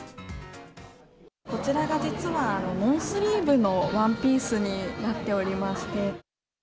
こちらが実は、ノースリーブのワンピースになっておりまして。